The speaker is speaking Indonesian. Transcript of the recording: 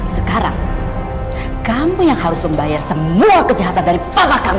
sekarang kamu yang harus membayar semua kejahatan dari pala kamu